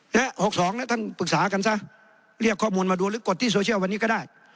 หกสองนะท่านปรึกษากันซะเรียกข้อมูลมาดูหรือกดที่โซเชียลวันนี้ก็ได้